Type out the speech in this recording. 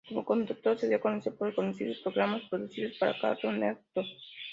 Como conductor se dio a conocer por reconocidos programas producidos para Cartoon Network.